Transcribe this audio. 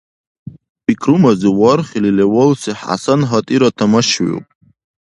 Пикрумази вархили левалси ХӀясан гьатӀира тамашавиуб.